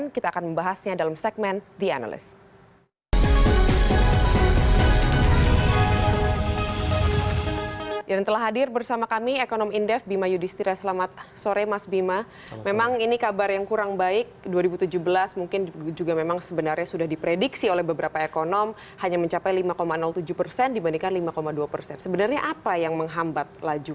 kita akan membahasnya dalam segmen the analyst